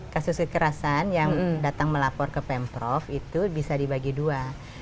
kasus kekerasan yang datang melapor ke pemprov itu bisa dibagi dua